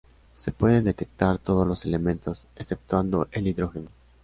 Se pueden detectar todos los elementos, exceptuando el hidrógeno.